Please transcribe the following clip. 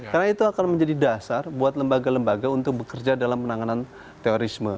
karena itu akan menjadi dasar untuk lembaga lembaga untuk bekerja dalam penanganan terorisme